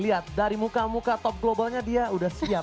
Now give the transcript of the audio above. lihat dari muka muka top globalnya dia udah siap